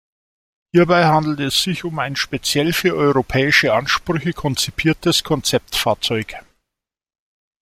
Hierbei handelt es sich um ein speziell für europäische Ansprüche konzipiertes Konzeptfahrzeug.